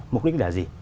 mục đích là gì